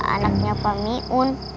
anaknya pak miun